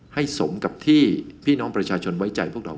สมกับที่พี่น้องประชาชนไว้ใจพวกเรา